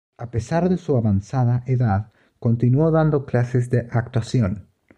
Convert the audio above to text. A pesar de su avanzada edad continuó dando clases de actuación.